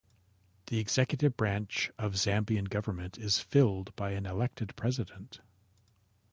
The executive branch of Zambian government is filled by an elected president.